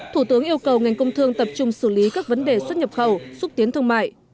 thủ tướng yêu cầu ngành công thương tập trung xử lý các vấn đề xuất nhập khẩu xúc tiến thương mại